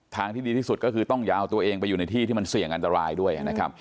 ที่ดีที่สุดก็คือต้องอย่าเอาตัวเองไปอยู่ในที่ที่มันเสี่ยงอันตรายด้วยนะครับ